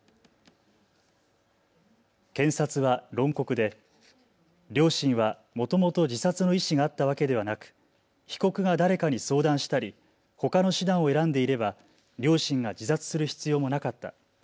検察は論告で両親はもともと自殺の意思があったわけではなく被告が誰かに相談したりほかの手段を選んでいれば両親が自殺する必要もなかった。